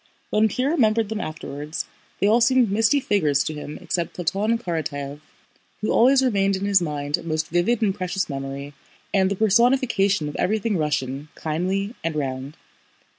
When Pierre remembered them afterwards they all seemed misty figures to him except Platón Karatáev, who always remained in his mind a most vivid and precious memory and the personification of everything Russian, kindly, and round.